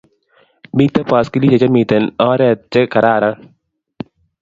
Miten baskilishek che miten oret che kararan